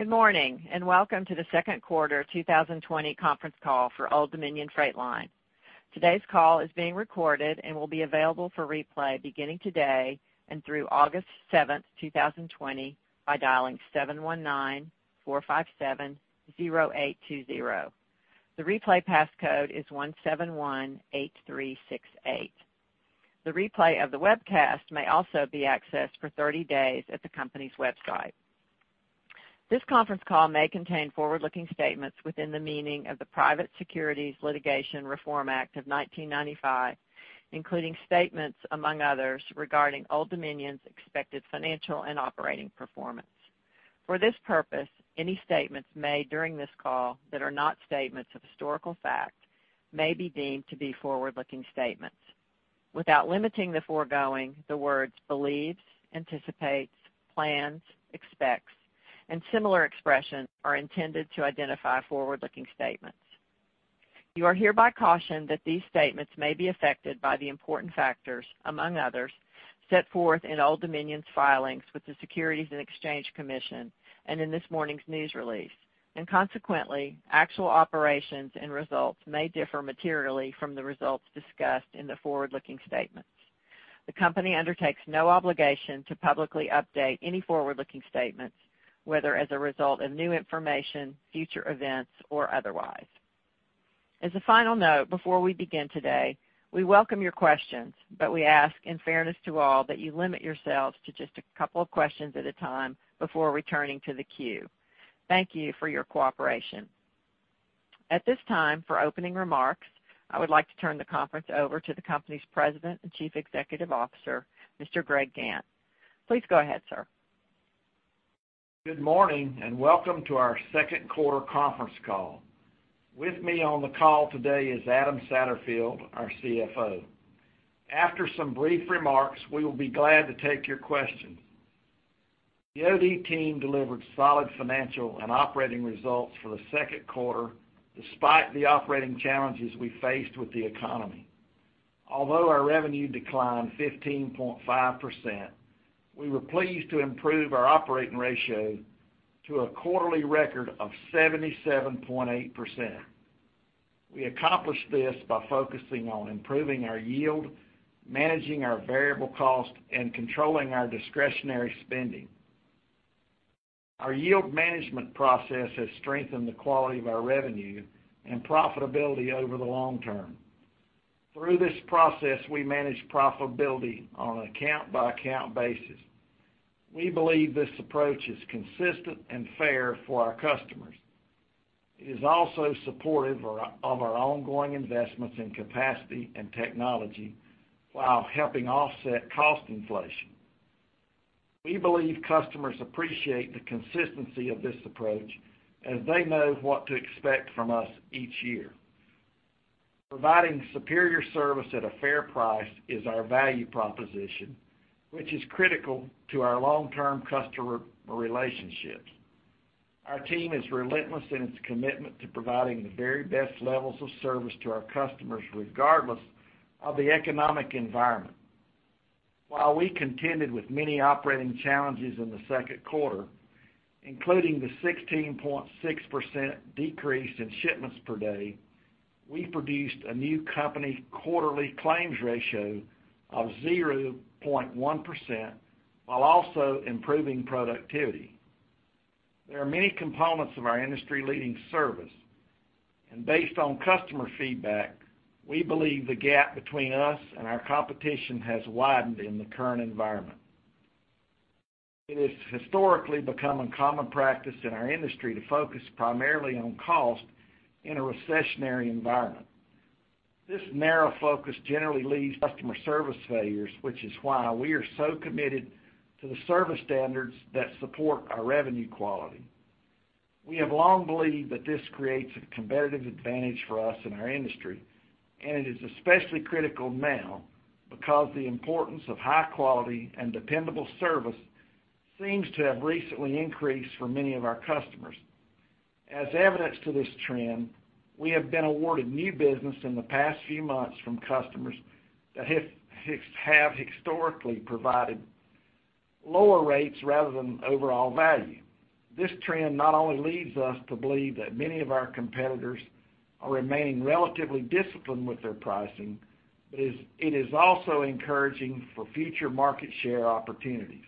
Good morning, and welcome to the second quarter 2020 conference call for Old Dominion Freight Line. Today's call is being recorded and will be available for replay beginning today and through August 7, 2020, by dialing 719-457-0820. The replay passcode is 1,718,368. The replay of the webcast may also be accessed for 30 days at the company's website. This conference call may contain forward-looking statements within the meaning of the Private Securities Litigation Reform Act of 1995, including statements, among others, regarding Old Dominion's expected financial and operating performance. For this purpose, any statements made during this call that are not statements of historical fact may be deemed to be forward-looking statements. Without limiting the foregoing, the words believes, anticipates, plans, expects, and similar expressions are intended to identify forward-looking statements. You are hereby cautioned that these statements may be affected by the important factors, among others, set forth in Old Dominion's filings with the Securities and Exchange Commission, and in this morning's news release. Consequently, actual operations and results may differ materially from the results discussed in the forward-looking statements. The company undertakes no obligation to publicly update any forward-looking statements, whether as a result of new information, future events, or otherwise. As a final note, before we begin today, we welcome your questions, but we ask, in fairness to all, that you limit yourselves to just a couple of questions at a time before returning to the queue. Thank you for your cooperation. At this time, for opening remarks, I would like to turn the conference over to the company's President and Chief Executive Officer, Mr. Greg Gantt. Please go ahead, sir. Good morning, and welcome to our second quarter conference call. With me on the call today is Adam Satterfield, our CFO. After some brief remarks, we will be glad to take your questions. The OD team delivered solid financial and operating results for the second quarter, despite the operating challenges we faced with the economy. Our revenue declined 15.5%, we were pleased to improve our operating ratio to a quarterly record of 77.8%. We accomplished this by focusing on improving our yield, managing our variable cost, and controlling our discretionary spending. Our yield management process has strengthened the quality of our revenue and profitability over the long term. Through this process, we manage profitability on an account-by-account basis. We believe this approach is consistent and fair for our customers. It is also supportive of our ongoing investments in capacity and technology while helping offset cost inflation. We believe customers appreciate the consistency of this approach as they know what to expect from us each year. Providing superior service at a fair price is our value proposition, which is critical to our long-term customer relationships. Our team is relentless in its commitment to providing the very best levels of service to our customers, regardless of the economic environment. While we contended with many operating challenges in the second quarter, including the 16.6% decrease in shipments per day, we produced a new company quarterly claims ratio of 0.1% while also improving productivity. There are many components of our industry-leading service, and based on customer feedback, we believe the gap between us and our competition has widened in the current environment. It has historically become a common practice in our industry to focus primarily on cost in a recessionary environment. This narrow focus generally leads to customer service failures, which is why we are so committed to the service standards that support our revenue quality. We have long believed that this creates a competitive advantage for us in our industry, and it is especially critical now because the importance of high quality and dependable service seems to have recently increased for many of our customers. As evidence to this trend, we have been awarded new business in the past few months from customers that have historically provided lower rates rather than overall value. This trend not only leads us to believe that many of our competitors are remaining relatively disciplined with their pricing, but it is also encouraging for future market share opportunities.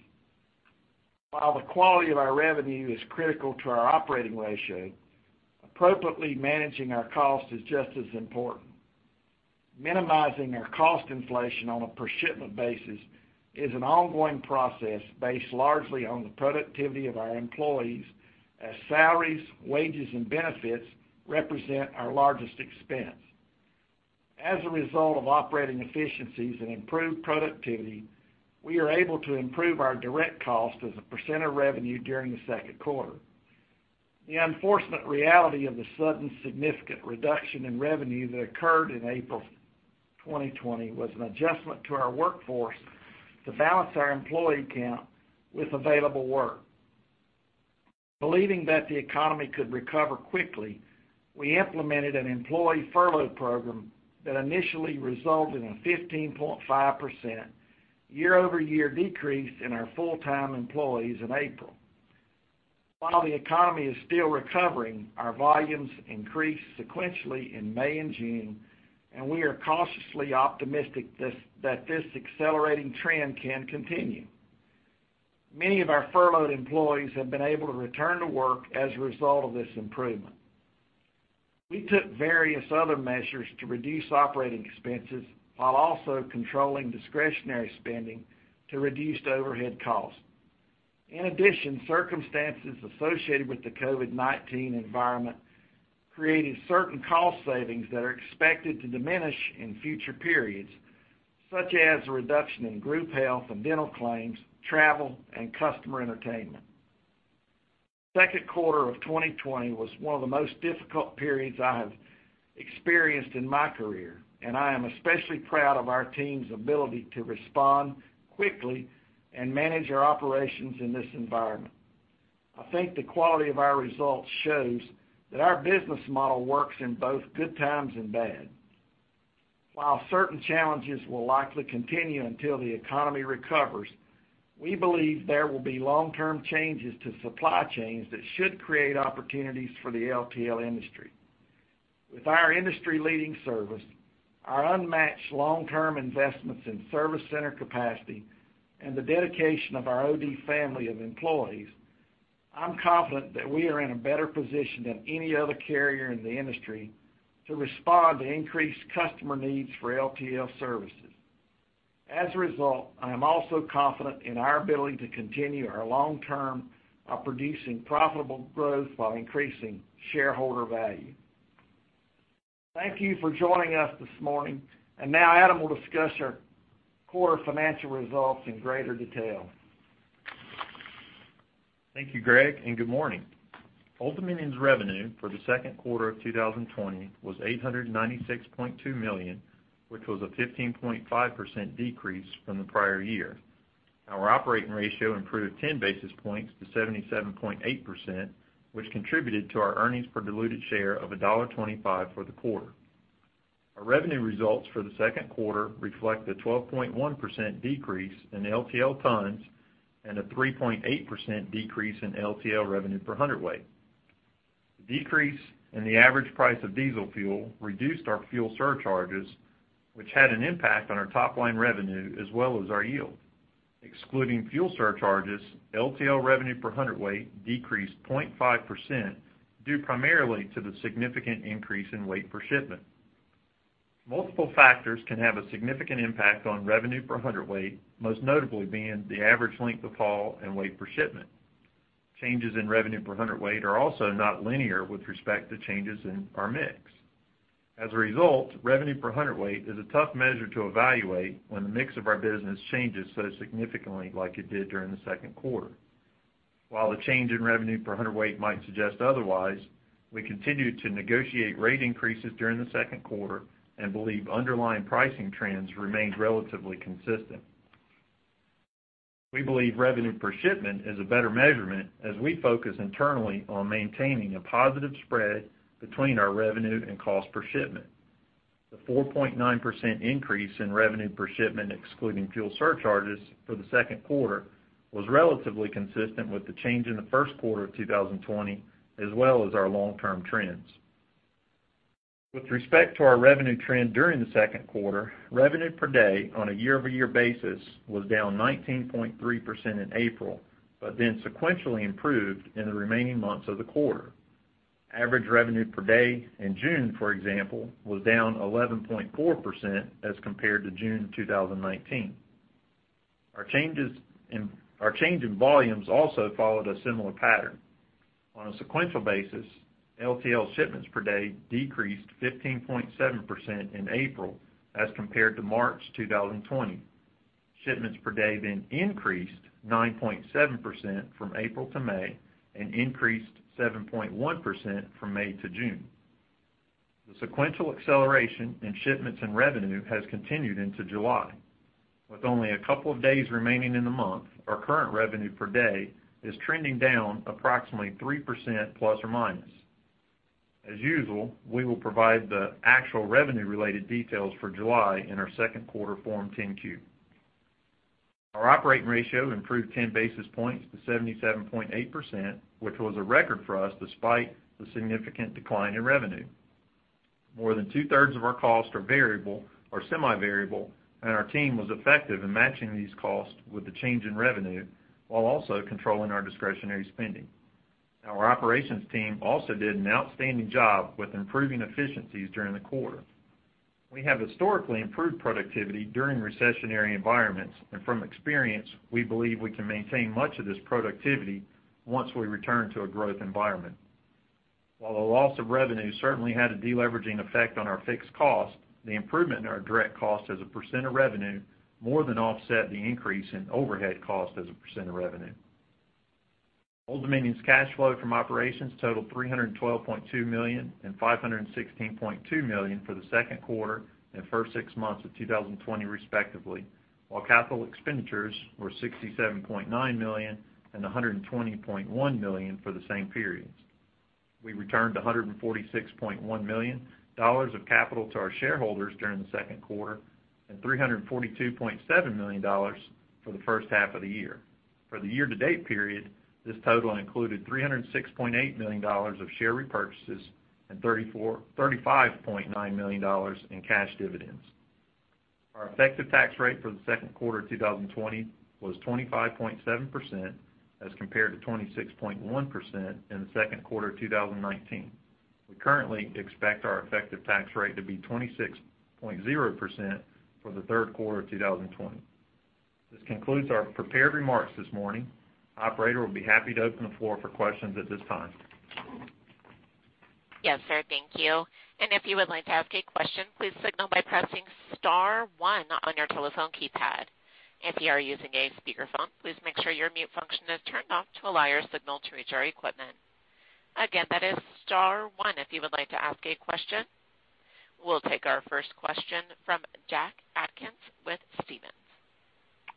While the quality of our revenue is critical to our operating ratio, appropriately managing our cost is just as important. Minimizing our cost inflation on a per shipment basis is an ongoing process based largely on the productivity of our employees as salaries, wages, and benefits represent our largest expense. As a result of operating efficiencies and improved productivity, we are able to improve our direct cost as a % of revenue during the second quarter. The unfortunate reality of the sudden significant reduction in revenue that occurred in April 2020 was an adjustment to our workforce to balance our employee count with available work. Believing that the economy could recover quickly we implemented an employee furlough program that initially resulted in a 15.5% year-over-year decrease in our full-time employees in April. While the economy is still recovering, our volumes increased sequentially in May and June, and we are cautiously optimistic that this accelerating trend can continue. Many of our furloughed employees have been able to return to work as a result of this improvement. We took various other measures to reduce operating expenses while also controlling discretionary spending to reduce the overhead cost. In addition, circumstances associated with the COVID-19 environment created certain cost savings that are expected to diminish in future periods, such as a reduction in group health and dental claims, travel, and customer entertainment. Second quarter of 2020 was one of the most difficult periods I have experienced in my career, and I am especially proud of our team's ability to respond quickly and manage our operations in this environment. I think the quality of our results shows that our business model works in both good times and bad. While certain challenges will likely continue until the economy recovers, we believe there will be long-term changes to supply chains that should create opportunities for the LTL industry. With our industry-leading service, our unmatched long-term investments in service center capacity, and the dedication of our OD family of employees, I'm confident that we are in a better position than any other carrier in the industry to respond to increased customer needs for LTL services. As a result, I am also confident in our ability to continue our long-term of producing profitable growth while increasing shareholder value. Thank you for joining us this morning. Now Adam will discuss our core financial results in greater detail. Thank you, Greg, and good morning. Old Dominion's revenue for the second quarter of 2020 was $896.2 million, which was a 15.5% decrease from the prior year. Our operating ratio improved 10 basis points to 77.8%, which contributed to our earnings per diluted share of $1.25 for the quarter. Our revenue results for the second quarter reflect the 12.1% decrease in LTL tons and a 3.8% decrease in LTL revenue per hundredweight. The decrease in the average price of diesel fuel reduced our fuel surcharges, which had an impact on our top-line revenue as well as our yield. Excluding fuel surcharges, LTL revenue per hundredweight decreased 0.5% due primarily to the significant increase in weight per shipment. Multiple factors can have a significant impact on revenue per hundredweight, most notably being the average length of haul and weight per shipment. Changes in revenue per hundredweight are also not linear with respect to changes in our mix. As a result, revenue per hundredweight is a tough measure to evaluate when the mix of our business changes so significantly like it did during the second quarter. While the change in revenue per hundredweight might suggest otherwise, we continued to negotiate rate increases during the second quarter and believe underlying pricing trends remained relatively consistent. We believe revenue per shipment is a better measurement as we focus internally on maintaining a positive spread between our revenue and cost per shipment. The 4.9% increase in revenue per shipment, excluding fuel surcharges for the second quarter, was relatively consistent with the change in the first quarter of 2020, as well as our long-term trends. With respect to our revenue trend during the second quarter, revenue per day on a year-over-year basis was down 19.3% in April, but then sequentially improved in the remaining months of the quarter. Average revenue per day in June, for example, was down 11.4% as compared to June 2019. Our change in volumes also followed a similar pattern. On a sequential basis, LTL shipments per day decreased 15.7% in April as compared to March 2020. Shipments per day increased 9.7% from April to May and increased 7.1% from May to June. The sequential acceleration in shipments and revenue has continued into July. With only a couple of days remaining in the month, our current revenue per day is trending down approximately ±3%. As usual, we will provide the actual revenue-related details for July in our second quarter Form 10-Q. Our operating ratio improved 10 basis points to 77.8%, which was a record for us despite the significant decline in revenue. More than two-thirds of our costs are variable or semi-variable, Our team was effective in matching these costs with the change in revenue while also controlling our discretionary spending. Our operations team also did an outstanding job with improving efficiencies during the quarter. We have historically improved productivity during recessionary environments, From experience, we believe we can maintain much of this productivity once we return to a growth environment. While the loss of revenue certainly had a de-leveraging effect on our fixed cost, the improvement in our direct cost as a percent of revenue more than offset the increase in overhead cost as a percent of revenue. Old Dominion's cash flow from operations totaled $312.2 million and $516.2 million for the second quarter and first six months of 2020 respectively, while capital expenditures were $67.9 million and $120.1 million for the same periods. We returned $146.1 million of capital to our shareholders during the second quarter, and $342.7 million for the first half of the year. For the year-to-date period, this total included $306.8 million of share repurchases and $35.9 million in cash dividends. Our effective tax rate for the second quarter 2020 was 25.7% as compared to 26.1% in the second quarter 2019. We currently expect our effective tax rate to be 26.0% for the third quarter of 2020. This concludes our prepared remarks this morning. Operator will be happy to open the floor for questions at this time. Yes, sir. Thank you. If you would like to ask a question, please signal by pressing star one on your telephone keypad. If you are using a speakerphone, please make sure your mute function is turned off to allow your signal to reach our equipment. Again, that is star one if you would like to ask a question. We'll take our first question from Jack Atkins with Stephens.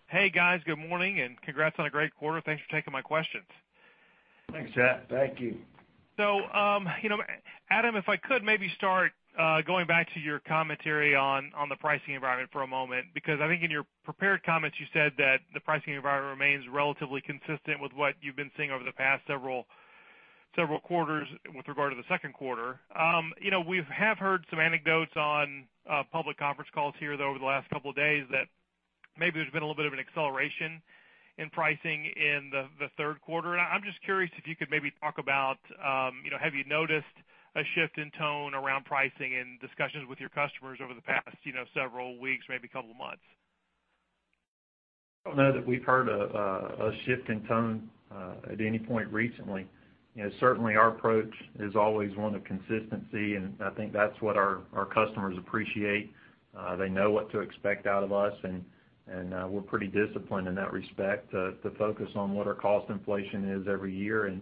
Hey, guys. Good morning, and congrats on a great quarter. Thanks for taking my questions. Thanks, Jack. Thank you. Adam, if I could maybe start going back to your commentary on the pricing environment for a moment, because I think in your prepared comments, you said that the pricing environment remains relatively consistent with what you've been seeing over the past several quarters with regard to the second quarter. We have heard some anecdotes on public conference calls here, though, over the last couple of days that maybe there's been a little bit of an acceleration in pricing in the third quarter. I'm just curious if you could maybe talk about, have you noticed a shift in tone around pricing in discussions with your customers over the past several weeks, maybe couple of months? I don't know that we've heard of a shift in tone at any point recently. Certainly, our approach is always one of consistency, and I think that's what our customers appreciate. They know what to expect out of us, and we're pretty disciplined in that respect to focus on what our cost inflation is every year and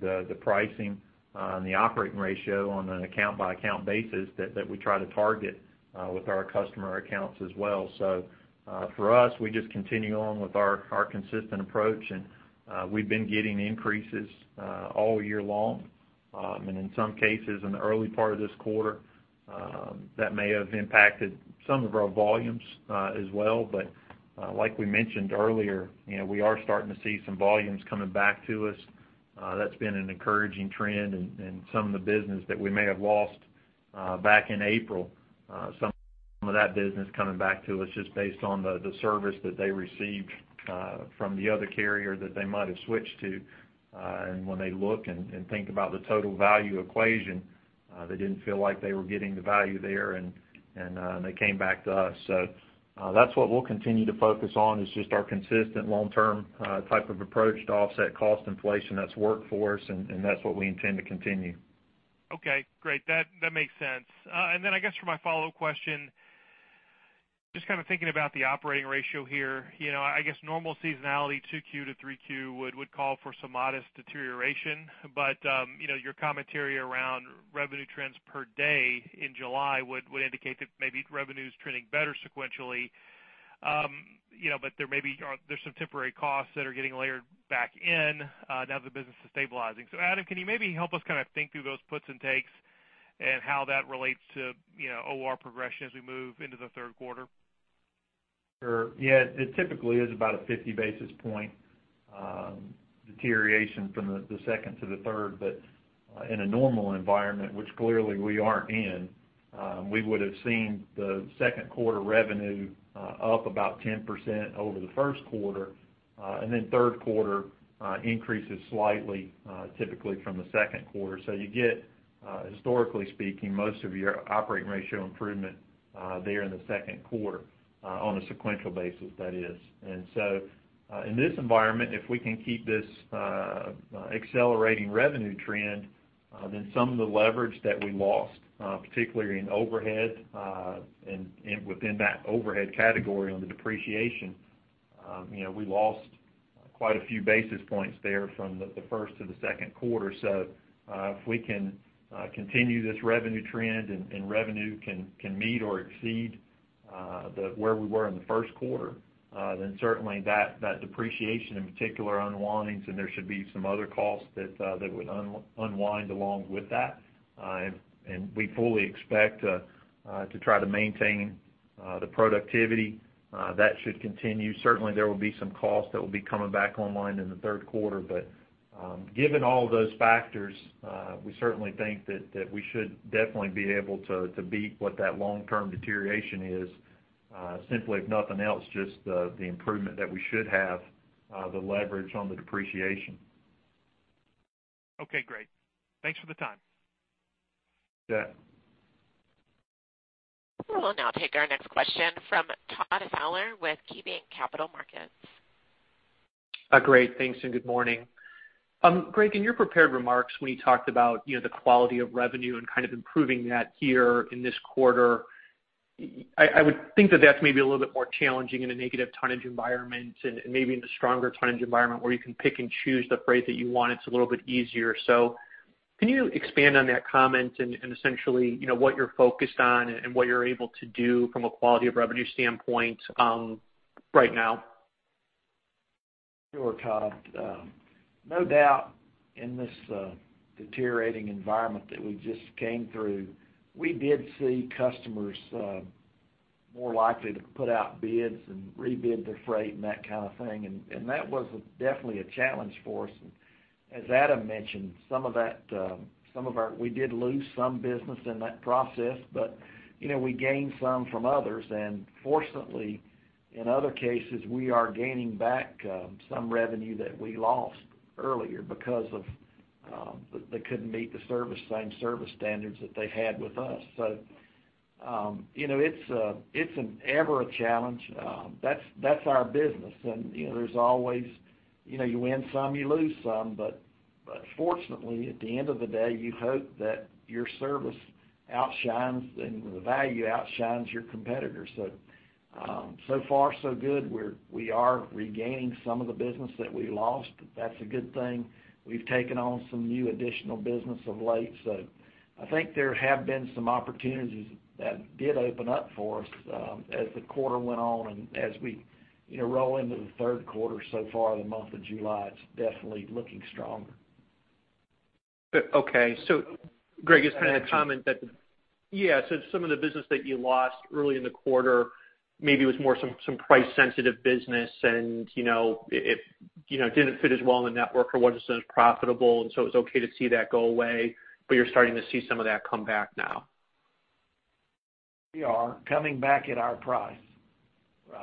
the pricing and the operating ratio on an account-by-account basis that we try to target with our customer accounts as well. For us, we just continue on with our consistent approach, and we've been getting increases all year long. In some cases in the early part of this quarter, that may have impacted some of our volumes as well. Like we mentioned earlier, we are starting to see some volumes coming back to us. That's been an encouraging trend in some of the business that we may have lost back in April. Some of that business coming back to us just based on the service that they received from the other carrier that they might have switched to. When they look and think about the total value equation, they didn't feel like they were getting the value there and they came back to us. That's what we'll continue to focus on is just our consistent long-term type of approach to offset cost inflation that's worked for us, and that's what we intend to continue. Okay, great. That makes sense. I guess for my follow-up question, just thinking about the operating ratio here. I guess normal seasonality 2Q to 3Q would call for some modest deterioration, your commentary around revenue trends per day in July would indicate that maybe revenue is trending better sequentially. There's some temporary costs that are getting layered back in now that the business is stabilizing. Adam, can you maybe help us think through those puts and takes and how that relates to OR progression as we move into the third quarter? Sure. Yeah. It typically is about a 50 basis point deterioration from the second to the third. In a normal environment, which clearly we aren't in, we would have seen the second quarter revenue up about 10% over the first quarter, and then third quarter increases slightly, typically from the second quarter. You get, historically speaking, most of your operating ratio improvement there in the second quarter on a sequential basis, that is. In this environment, if we can keep this accelerating revenue trend, then some of the leverage that we lost, particularly in overhead, and within that overhead category on the depreciation, we lost quite a few basis points there from the first to the second quarter. If we can continue this revenue trend and revenue can meet or exceed where we were in the first quarter, then certainly that depreciation in particular unwinds, and there should be some other costs that would unwind along with that. We fully expect to try to maintain the productivity. That should continue. Certainly, there will be some costs that will be coming back online in the third quarter. Given all those factors, we certainly think that we should definitely be able to beat what that long-term deterioration is. Simply, if nothing else, just the improvement that we should have the leverage on the depreciation. Okay, great. Thanks for the time. Yeah. We will now take our next question from Todd Fowler with KeyBanc Capital Markets. Great. Thanks, good morning. Greg, in your prepared remarks, when you talked about the quality of revenue and improving that here in this quarter, I would think that that's maybe a little bit more challenging in a negative tonnage environment and maybe in a stronger tonnage environment where you can pick and choose the freight that you want, it's a little bit easier. Can you expand on that comment and essentially, what you're focused on and what you're able to do from a quality of revenue standpoint right now? Sure, Todd. No doubt, in this deteriorating environment that we just came through, we did see customers more likely to put out bids and rebid their freight and that kind of thing, and that was definitely a challenge for us. As Adam mentioned, we did lose some business in that process, but we gained some from others. Fortunately, in other cases, we are gaining back some revenue that we lost earlier because they couldn't meet the same service standards that they had with us. It's an ever a challenge. That's our business, and there's always, you win some, you lose some. Fortunately, at the end of the day, you hope that your service outshines and the value outshines your competitor. Far so good. We are regaining some of the business that we lost. That's a good thing. We've taken on some new additional business of late. I think there have been some opportunities that did open up for us as the quarter went on and as we roll into the third quarter so far, the month of July, it's definitely looking stronger. Okay. Greg, just had a comment that, yeah, some of the business that you lost early in the quarter maybe was more some price sensitive business and it didn't fit as well in the network or wasn't as profitable, it was okay to see that go away, you're starting to see some of that come back now. We are. Coming back at our price.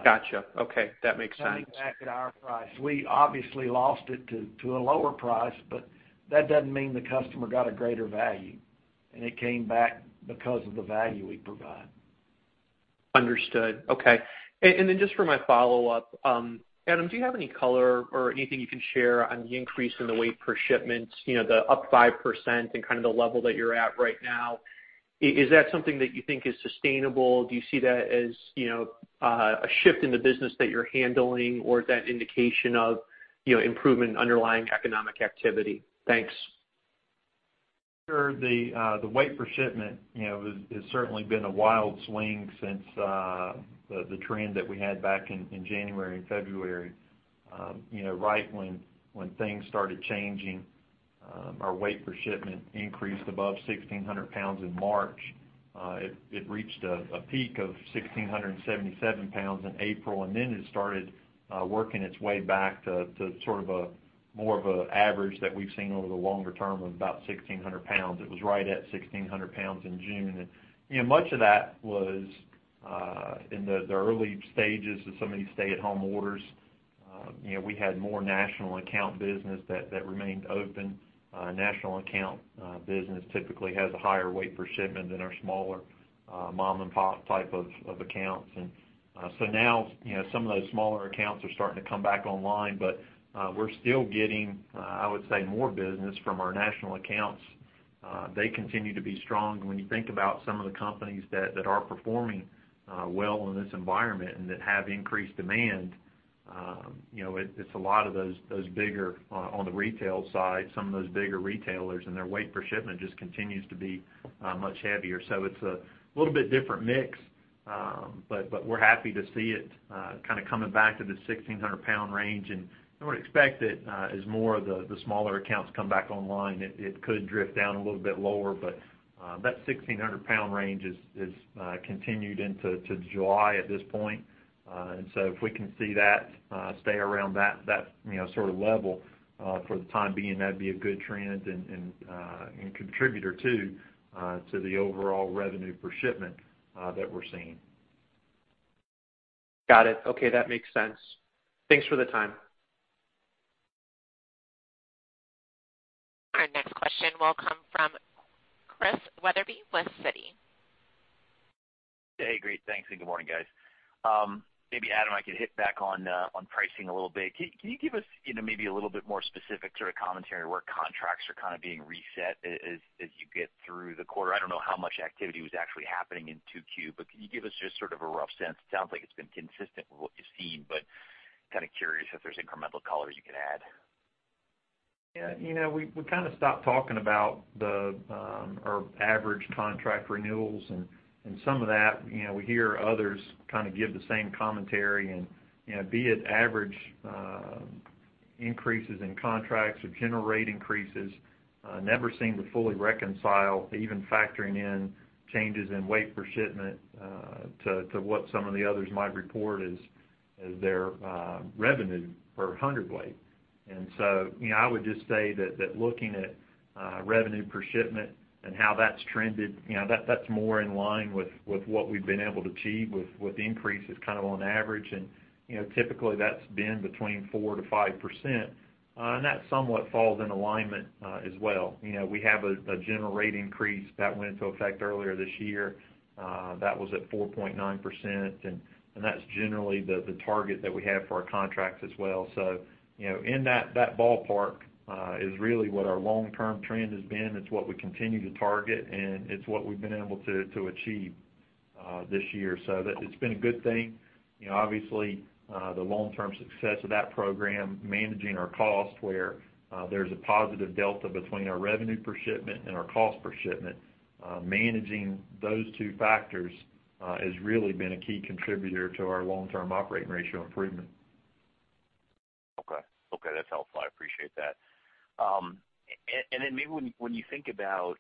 Got you. Okay. That makes sense. Coming back at our price. We obviously lost it to a lower price. That doesn't mean the customer got a greater value. It came back because of the value we provide. Understood. Okay. Just for my follow-up, Adam, do you have any color or anything you can share on the increase in the weight per shipments, the up 5% and the level that you're at right now? Is that something that you think is sustainable? Do you see that as a shift in the business that you're handling, or is that indication of improvement in underlying economic activity? Thanks. Sure. The weight per shipment has certainly been a wild swing since the trend that we had back in January and February. Right when things started changing, our weight per shipment increased above 1,600 lbs in March. It reached a peak of 1,677 lbs in April, and then it started working its way back to more of an average that we've seen over the longer term of about 1,600 pounds. It was right at 1,600 pounds in June. Much of that was in the early stages of some of these stay at home orders. We had more national account business that remained open. National account business typically has a higher weight per shipment than our smaller mom-and-pop type of accounts. Now, some of those smaller accounts are starting to come back online, but we're still getting, I would say, more business from our national accounts. They continue to be strong. When you think about some of the companies that are performing well in this environment and that have increased demand, it's a lot of those bigger on the retail side, some of those bigger retailers, and their weight per shipment just continues to be much heavier. It's a little bit different mix. We're happy to see it coming back to the 1,600-pound range. I would expect that as more of the smaller accounts come back online, it could drift down a little bit lower, but that 1,600-pound range has continued into July at this point. If we can see that stay around that sort of level for the time being, that'd be a good trend and contributor too to the overall revenue per shipment that we're seeing. Got it. Okay. That makes sense. Thanks for the time. Our next question will come from Chris Wetherbee with Citi. Hey, great. Thanks. Good morning, guys. Maybe Adam, I could hit back on pricing a little bit. Can you give us maybe a little bit more specific sort of commentary where contracts are being reset as you get through the quarter? I don't know how much activity was actually happening in 2Q, can you give us just sort of a rough sense? It sounds like it's been consistent with what you've seen, curious if there's incremental color you could add. Yeah. We stopped talking about our average contract renewals, and some of that, we hear others give the same commentary and be it average increases in contracts or general rate increases never seem to fully reconcile even factoring in changes in weight per shipment to what some of the others might report as their revenue per hundredweight. I would just say that looking at revenue per shipment and how that's trended, that's more in line with what we've been able to achieve with the increases on average. Typically, that's been between 4%-5%, and that somewhat falls in alignment as well. We have a general rate increase that went into effect earlier this year. That was at 4.9%, and that's generally the target that we have for our contracts as well. In that ballpark is really what our long-term trend has been. It's what we continue to target, and it's what we've been able to achieve this year. It's been a good thing. Obviously, the long-term success of that program, managing our cost where there's a positive delta between our revenue per shipment and our cost per shipment, managing those two factors has really been a key contributor to our long-term operating ratio improvement. Okay. That's helpful. I appreciate that. Maybe when you think about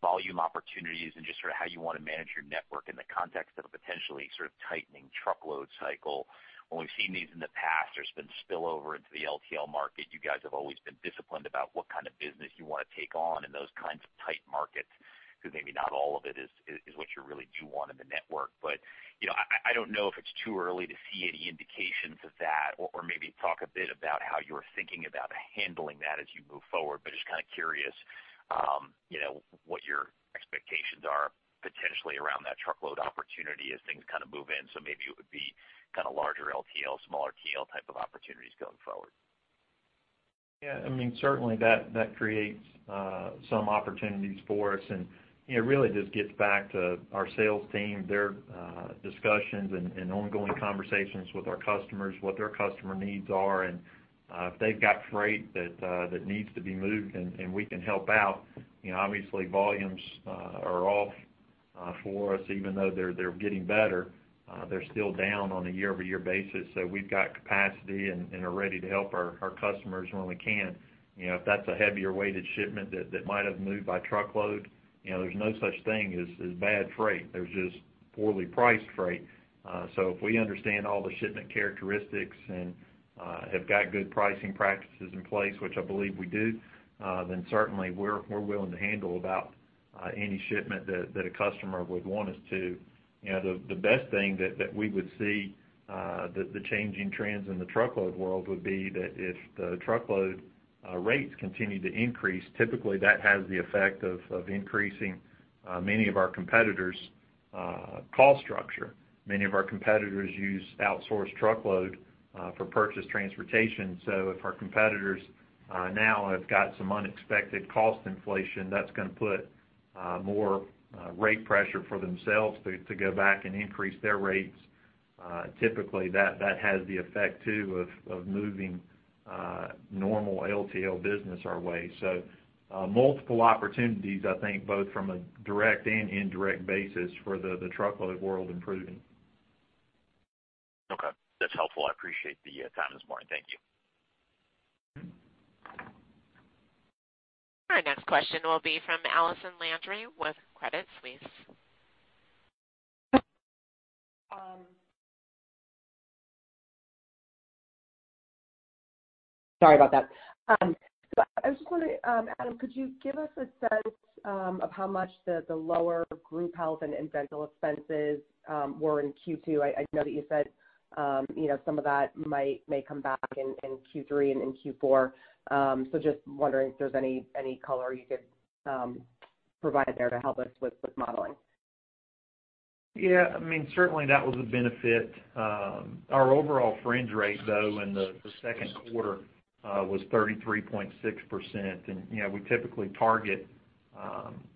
volume opportunities and just how you want to manage your network in the context of a potentially sort of tightening truckload cycle. When we've seen these in the past, there's been spillover into the LTL market. You guys have always been disciplined about what kind of business you want to take on in those kinds of tight markets, because maybe not all of it is what you really do want in the network. I don't know if it's too early to see any indications of that, or maybe talk a bit about how you're thinking about handling that as you move forward. Just kind of curious, what your expectations are potentially around that truckload opportunity as things move in. Maybe it would be kind of larger LTL, smaller TL type of opportunities going forward. Yeah, certainly that creates some opportunities for us, it really just gets back to our sales team, their discussions and ongoing conversations with our customers, what their customer needs are. If they've got freight that needs to be moved, and we can help out. Obviously, volumes are off for us. Even though they're getting better, they're still down on a year-over-year basis. We've got capacity and are ready to help our customers when we can. If that's a heavier weighted shipment that might have moved by truckload, there's no such thing as bad freight. There's just poorly priced freight. If we understand all the shipment characteristics and have got good pricing practices in place, which I believe we do, then certainly we're willing to handle about any shipment that a customer would want us to. The best thing that we would see, the changing trends in the truckload world would be that if the truckload rates continue to increase, typically that has the effect of increasing many of our competitors' cost structure. Many of our competitors use outsourced truckload for purchase transportation. If our competitors now have got some unexpected cost inflation, that's going to put more rate pressure for themselves to go back and increase their rates. Typically, that has the effect too of moving normal LTL business our way. Multiple opportunities, I think, both from a direct and indirect basis for the truckload world improving. Okay. That's helpful. I appreciate the time this morning. Thank you. Our next question will be from Allison Landry with Credit Suisse. Sorry about that. I just wonder, Adam, could you give us a sense of how much the lower group health and dental expenses were in Q2? I know that you said some of that may come back in Q3 and in Q4. Just wondering if there's any color you could provide there to help us with modeling. Yeah, certainly that was a benefit. Our overall fringe rate, though, in the second quarter was 33.6%, and we typically target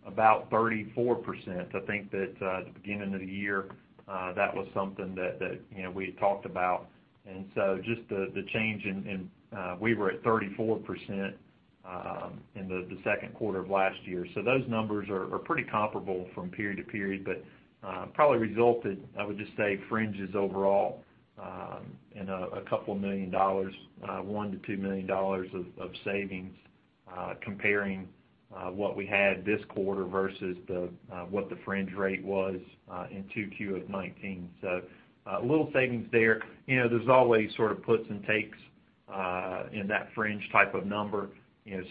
about 34%. I think that at the beginning of the year, that was something that we had talked about, and so We were at 34% in the second quarter of last year. Those numbers are pretty comparable from period to period, but probably resulted, I would just say, fringes overall in a couple million dollars, $1 million-$2 million of savings comparing what we had this quarter versus what the fringe rate was in 2Q 2019. A little savings there. There's always sort of puts and takes in that fringe type of number.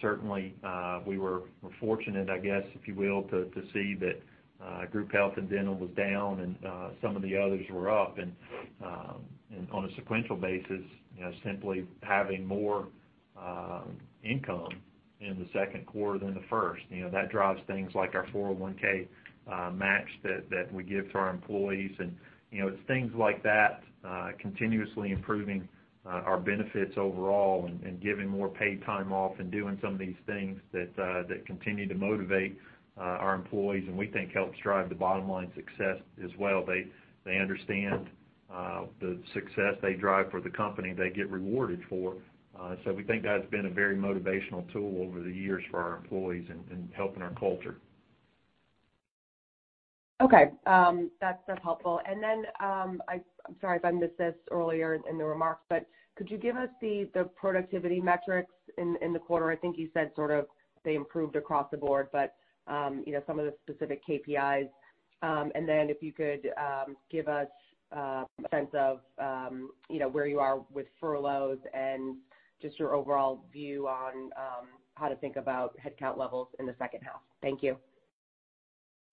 Certainly, we were fortunate, I guess, if you will, to see that group health and dental was down and some of the others were up, and on a sequential basis, simply having more income in the second quarter than the first. That drives things like our 401(k) match that we give to our employees, and it's things like that, continuously improving our benefits overall and giving more paid time off and doing some of these things that continue to motivate our employees and we think helps drive the bottom line success as well. They understand the success they drive for the company, they get rewarded for. We think that's been a very motivational tool over the years for our employees and helping our culture. Okay. That's helpful. I'm sorry if I missed this earlier in the remarks, but could you give us the productivity metrics in the quarter? I think you said sort of they improved across the board, but some of the specific KPIs. If you could give us a sense of where you are with furloughs and just your overall view on how to think about headcount levels in the second half. Thank you.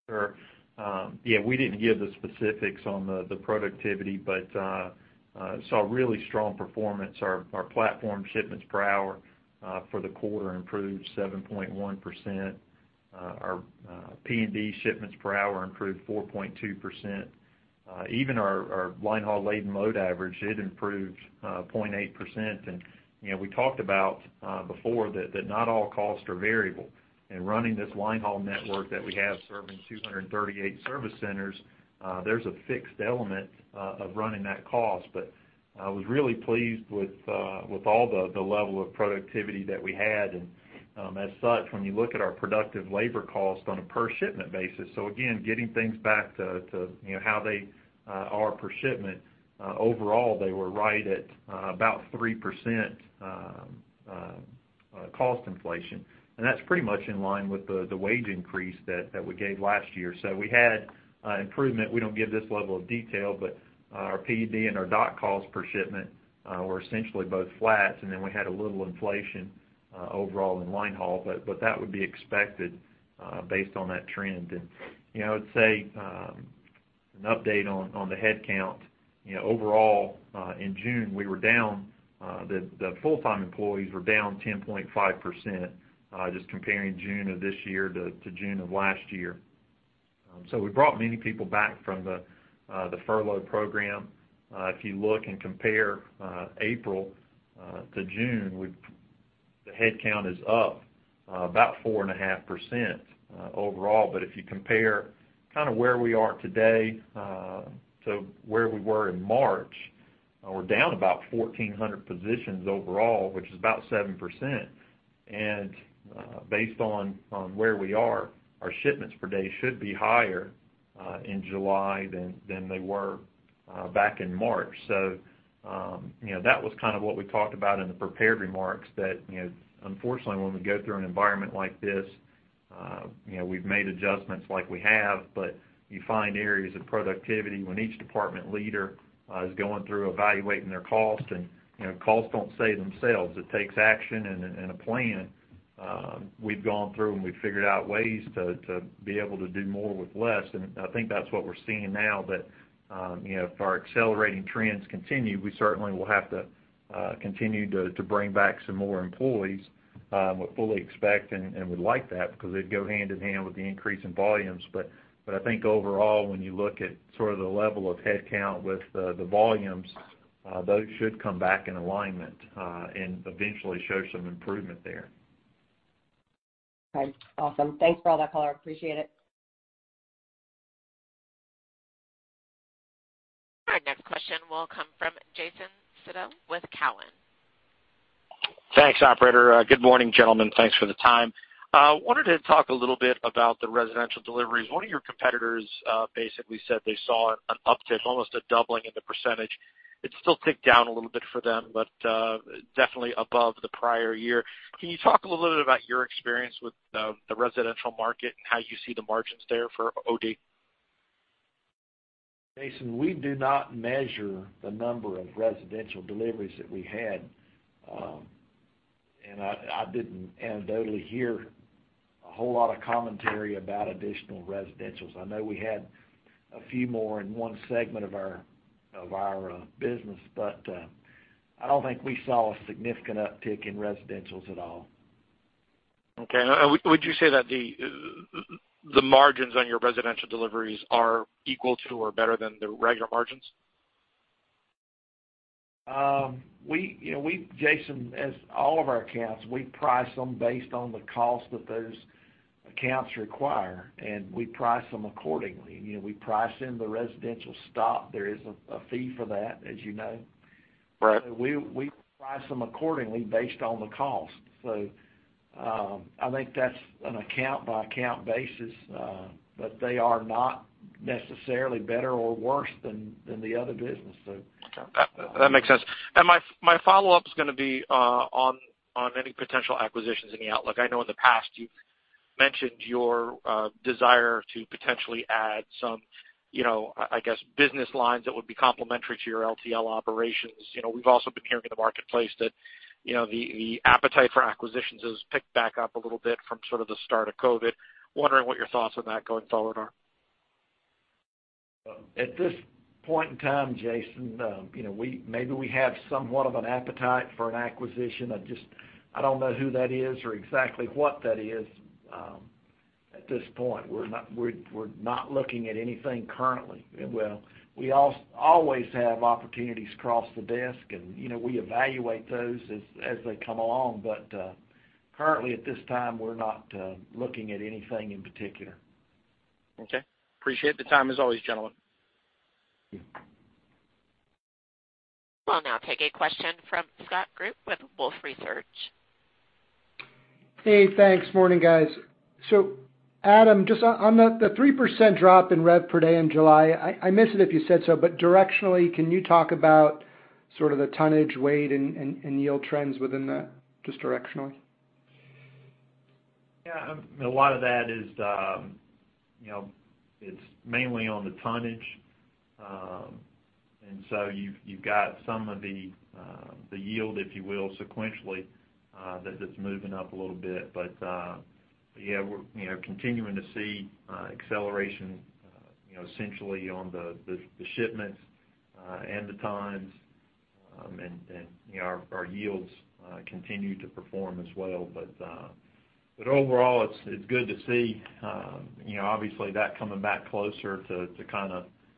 Sure. We didn't give the specifics on the productivity, saw really strong performance. Our platform shipments per hour for the quarter improved 7.1%. Our P&D shipments per hour improved 4.2%. Even our line haul load average, it improved 0.8%. We talked about before that not all costs are variable. Running this line haul network that we have serving 238 service centers, there's a fixed element of running that cost. I was really pleased with all the level of productivity that we had. As such, when you look at our productive labor cost on a per shipment basis, again, getting things back to how they are per shipment. Overall, they were right at about 3% cost inflation. That's pretty much in line with the wage increase that we gave last year. We had improvement. We don't give this level of detail, but our P&D and our dock costs per shipment were essentially both flat, and then we had a little inflation overall in line haul, but that would be expected based on that trend. I would say, an update on the headcount. Overall, in June, the full-time employees were down 10.5%, just comparing June of this year to June of last year. We brought many people back from the furlough program. If you look and compare April to June, the headcount is up about 4.5% overall. If you compare where we are today to where we were in March, we're down about 1,400 positions overall, which is about 7%. Based on where we are, our shipments per day should be higher in July than they were back in March. That was what we talked about in the prepared remarks that, unfortunately, when we go through an environment like this, we've made adjustments like we have, but you find areas of productivity when each department leader is going through evaluating their costs and, costs don't save themselves. It takes action and a plan. We've gone through and we've figured out ways to be able to do more with less, and I think that's what we're seeing now that, if our accelerating trends continue, we certainly will have to continue to bring back some more employees. We fully expect and would like that because it'd go hand in hand with the increase in volumes. I think overall, when you look at the level of headcount with the volumes, those should come back in alignment, and eventually show some improvement there. Okay. Awesome. Thanks for all that, Tyler. Appreciate it. Our next question will come from Jason Seidl with Cowen. Thanks, operator. Good morning, gentlemen. Thanks for the time. I wanted to talk a little bit about the residential deliveries. One of your competitors basically said they saw an uptick, almost a doubling in the percentage. It is still ticked down a little bit for them, but definitely above the prior year. Can you talk a little bit about your experience with the residential market and how you see the margins there for OD? Jason, we do not measure the number of residential deliveries that we had. I didn't anecdotally hear a whole lot of commentary about additional residentials. I know we had a few more in one segment of our business, but I don't think we saw a significant uptick in residentials at all. Okay. Would you say that the margins on your residential deliveries are equal to or better than the regular margins? Jason, as all of our accounts, we price them based on the cost that those accounts require, and we price them accordingly. We price in the residential stop. There is a fee for that, as you know. Right. We price them accordingly based on the cost. I think that's an account by account basis, but they are not necessarily better or worse than the other business. Okay. That makes sense. My follow-up is going to be on any potential acquisitions in the outlook. I know in the past you've mentioned your desire to potentially add some, I guess, business lines that would be complementary to your LTL operations. We've also been hearing in the marketplace that the appetite for acquisitions has picked back up a little bit from the start of COVID. I'm wondering what your thoughts on that going forward are. At this point in time, Jason, maybe we have somewhat of an appetite for an acquisition. I don't know who that is or exactly what that is at this point. We're not looking at anything currently. We always have opportunities cross the desk, and we evaluate those as they come along. Currently at this time, we're not looking at anything in particular. Okay. Appreciate the time as always, gentlemen. We'll now take a question from Scott Group with Wolfe Research. Hey, thanks. Morning, guys. Adam, just on the 3% drop in rev per day in July, I missed it if you said so, but directionally, can you talk about sort of the tonnage weight and yield trends within that, just directionally? A lot of that is mainly on the tonnage. You've got some of the yield, if you will, sequentially, that's moving up a little bit. We're continuing to see acceleration essentially on the shipments and the tons. Our yields continue to perform as well. Overall, it's good to see obviously that coming back closer to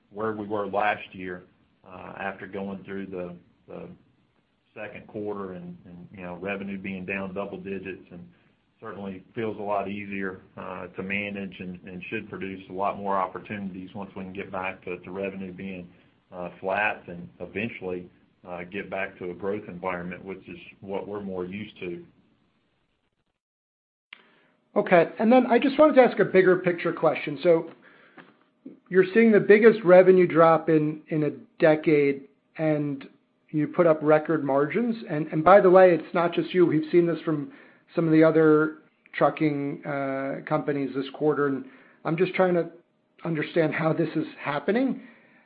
where we were last year after going through the second quarter and revenue being down double digits, and certainly feels a lot easier to manage and should produce a lot more opportunities once we can get back to revenue being flat and eventually get back to a growth environment, which is what we're more used to. I just wanted to ask a bigger picture question. You're seeing the biggest revenue drop in a decade, and you put up record margins. By the way, it's not just you, we've seen this from some of the other trucking companies this quarter, and I'm just trying to understand how this is happening.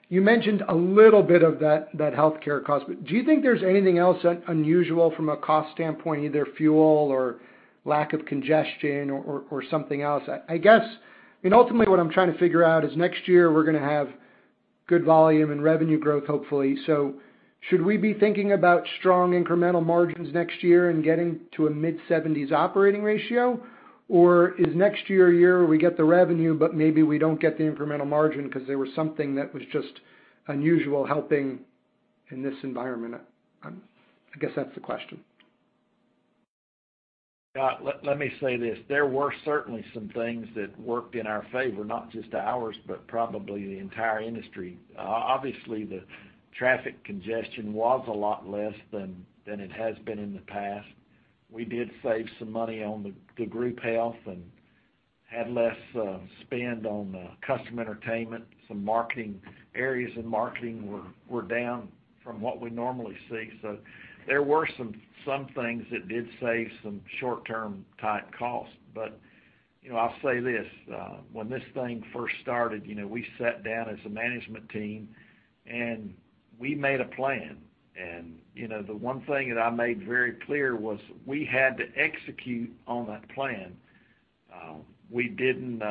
You mentioned a little bit of that healthcare cost, but do you think there's anything else unusual from a cost standpoint, either fuel or lack of congestion or something else? Ultimately what I'm trying to figure out is next year we're going to have good volume and revenue growth, hopefully. Should we be thinking about strong incremental margins next year and getting to a mid-70s operating ratio? Is next year a year where we get the revenue, but maybe we don't get the incremental margin because there was something that was just unusual helping in this environment? I guess that's the question. Scott, let me say this. There were certainly some things that worked in our favor, not just ours, but probably the entire industry. Obviously, the traffic congestion was a lot less than it has been in the past. We did save some money on the group health and had less spend on customer entertainment. Some areas of marketing were down from what we normally see. There were some things that did save some short-term type costs. I'll say this, when this thing first started, we sat down as a management team and we made a plan. The one thing that I made very clear was we had to execute on that plan. We didn't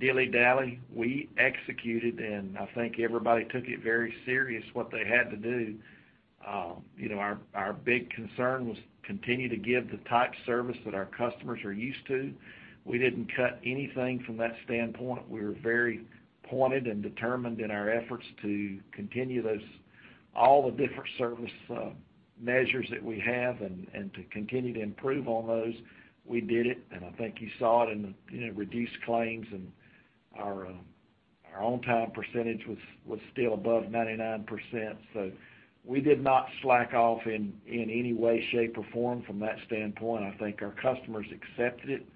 dilly-dally. We executed, and I think everybody took it very serious what they had to do. Our big concern was continue to give the type service that our customers are used to. We didn't cut anything from that standpoint. We were very pointed and determined in our efforts to continue all the different service measures that we have and to continue to improve on those. We did it, and I think you saw it in the reduced claims, and our on-time percentage was still above 99%. We did not slack off in any way, shape, or form from that standpoint. I think our customers accepted it.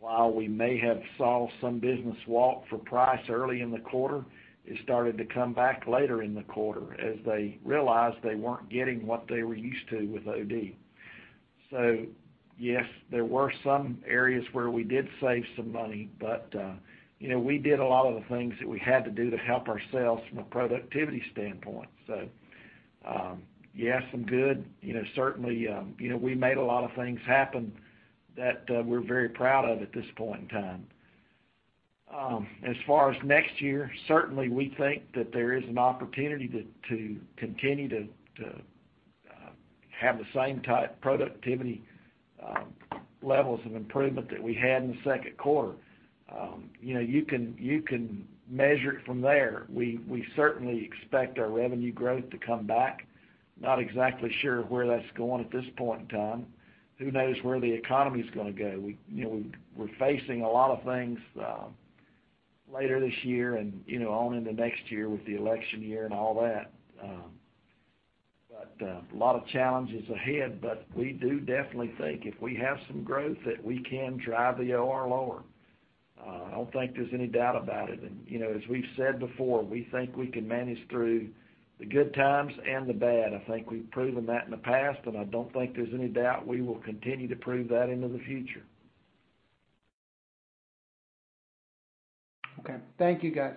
While we may have saw some business walk for price early in the quarter, it started to come back later in the quarter as they realized they weren't getting what they were used to with OD. Yes, there were some areas where we did save some money, but we did a lot of the things that we had to do to help ourselves from a productivity standpoint. Yes, some good. Certainly we made a lot of things happen that we're very proud of at this point in time. As far as next year, certainly we think that there is an opportunity to continue to have the same type productivity levels of improvement that we had in the second quarter. You can measure it from there. We certainly expect our revenue growth to come back. Not exactly sure where that's going at this point in time. Who knows where the economy's going to go? We're facing a lot of things later this year and on into next year with the election year and all that. A lot of challenges ahead, but we do definitely think if we have some growth that we can drive the OR lower. I don't think there's any doubt about it. As we've said before, we think we can manage through the good times and the bad. I think we've proven that in the past, and I don't think there's any doubt we will continue to prove that into the future. Okay. Thank you, guys.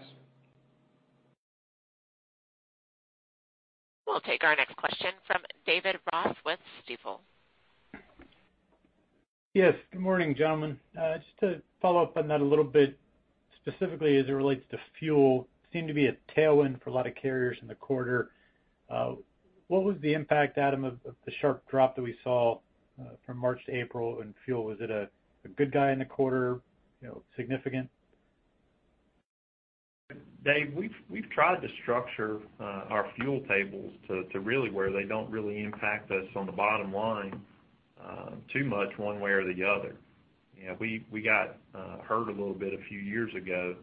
We'll take our next question from David Ross with Stifel. Yes. Good morning, gentlemen. Just to follow up on that a little bit, specifically as it relates to fuel, seemed to be a tailwind for a lot of carriers in the quarter. What was the impact, Adam, of the sharp drop that we saw from March to April in fuel? Was it a good guy in the quarter? Significant? David, we've tried to structure our fuel tables to really where they don't really impact us on the bottom line too much one way or the other. We got hurt a little bit a few years ago,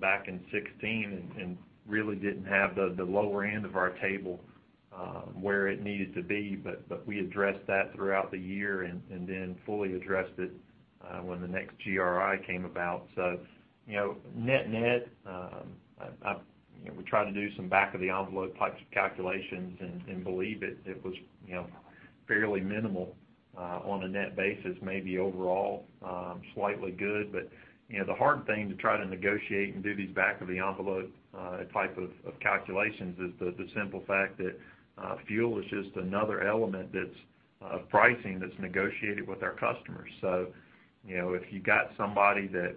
back in 2016, really didn't have the lower end of our table where it needed to be. We addressed that throughout the year and then fully addressed it when the next GRI came about. Net net, we tried to do some back of the envelope types of calculations and believe it was fairly minimal on a net basis, maybe overall slightly good. The hard thing to try to negotiate and do these back of the envelope type of calculations is the simple fact that fuel is just another element that's pricing that's negotiated with our customers. If you got somebody that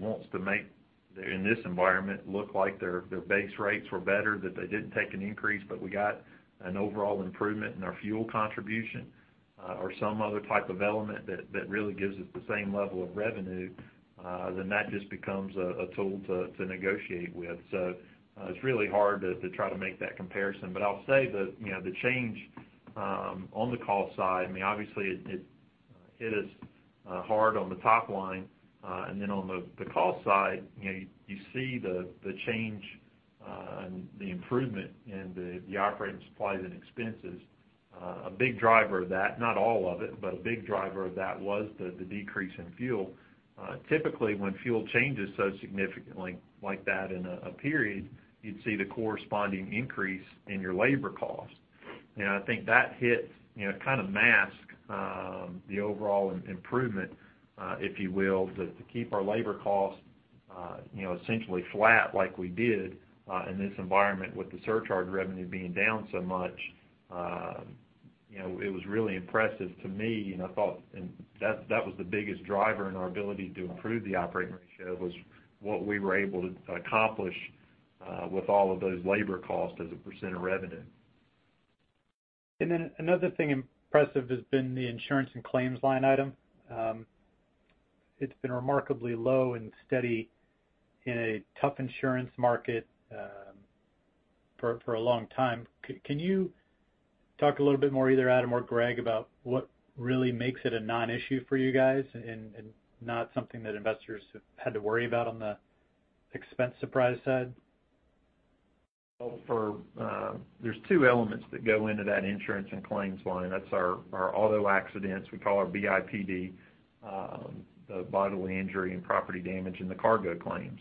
wants to make, in this environment, look like their base rates were better, that they didn't take an increase, but we got an overall improvement in our fuel contribution or some other type of element that really gives us the same level of revenue, then that just becomes a tool to negotiate with. It's really hard to try to make that comparison. I'll say the change on the cost side, obviously it hit us hard on the top line. Then on the cost side, you see the change The improvement in the operating supplies and expenses, a big driver of that, not all of it, but a big driver of that was the decrease in fuel. Typically, when fuel changes so significantly like that in a period, you'd see the corresponding increase in your labor cost. I think that hits, kind of mask the overall improvement, if you will. To keep our labor costs essentially flat like we did in this environment with the surcharge revenue being down so much, it was really impressive to me, and I thought that was the biggest driver in our ability to improve the operating ratio, was what we were able to accomplish with all of those labor costs as a percent of revenue. Another thing impressive has been the insurance and claims line item. It's been remarkably low and steady in a tough insurance market for a long time. Can you talk a little bit more, either Adam or Greg, about what really makes it a non-issue for you guys and not something that investors have had to worry about on the expense surprise side? There's two elements that go into that insurance and claims line. That's our auto accidents, we call our BIPD, the bodily injury and property damage, and the cargo claims.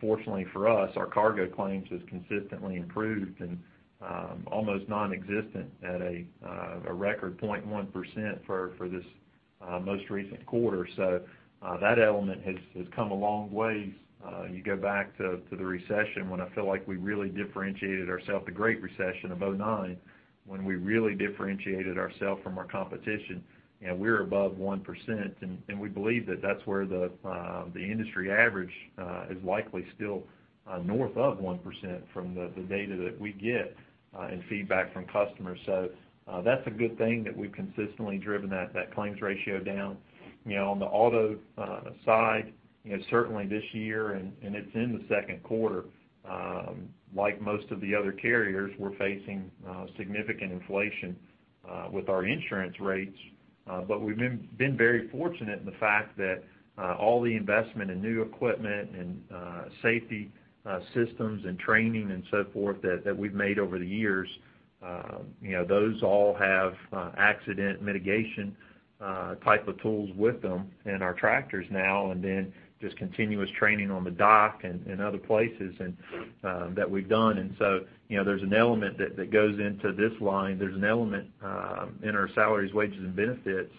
Fortunately for us, our cargo claims has consistently improved and almost nonexistent at a record 0.1% for this most recent quarter. That element has come a long way. You go back to the recession when I feel like we really differentiated ourself, the Great Recession of 2009, when we really differentiated ourself from our competition. We're above 1%, and we believe that that's where the industry average is likely still north of 1% from the data that we get and feedback from customers. That's a good thing that we've consistently driven that claims ratio down. On the auto side, certainly this year, it's in the second quarter, like most of the other carriers, we're facing significant inflation with our insurance rates. We've been very fortunate in the fact that all the investment in new equipment and safety systems and training and so forth that we've made over the years, those all have accident mitigation type of tools with them in our tractors now, just continuous training on the dock and other places that we've done. There's an element that goes into this line. There's an element in our salaries, wages, and benefits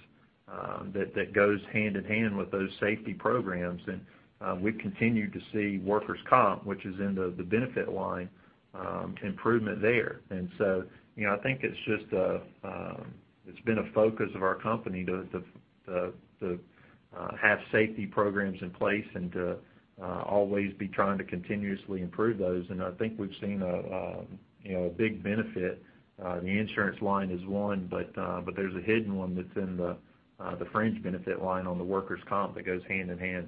that goes hand in hand with those safety programs. We continue to see workers' comp, which is in the benefit line, improvement there. I think it's been a focus of our company to have safety programs in place and to always be trying to continuously improve those. I think we've seen a big benefit. The insurance line is one, but there's a hidden one that's in the fringe benefit line on the workers' comp that goes hand in hand.